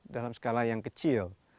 dalam skala yang kecil